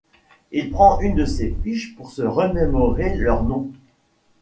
Il prend une de ses fiches pour se remémorer leurs noms.